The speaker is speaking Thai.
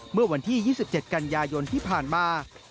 เมื่อวันที่๒๗กันยายนที่ผ่านมา